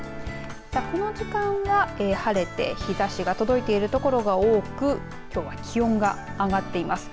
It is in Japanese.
この時間は晴れて日ざしが届いている所が多くきょうは気温が上がっています。